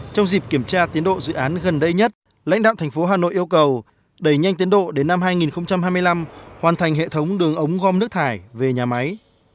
trong dịp kiểm tra tiến độ dự án gần đây nhất lãnh đạo thành phố hà nội yêu cầu đẩy nhanh tiến độ đến năm hai nghìn hai mươi năm hoàn thành hệ thống đường ống gom nước thải về nhà máy